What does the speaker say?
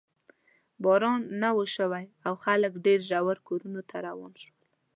باران نه و شوی او خلک ډېر ژر کورونو ته روان شول.